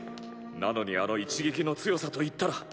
なのにあの一撃の強さといったら！